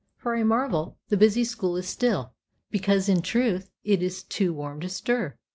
For a marvel, the busy school is still, because, in truth, it is too warm to stir.